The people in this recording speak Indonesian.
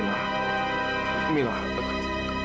ya allah gimana ini